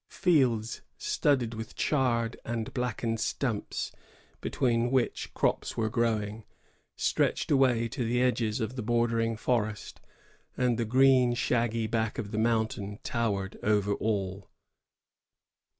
^ Fields studded with charred and blackened stumps, between which crops were grow ing, stretched away to the edges of the bordering forest; and the green, shaggy back of the mountain towered over all.